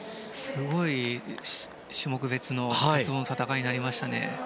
すごい種目別の鉄棒の戦いになりましたね。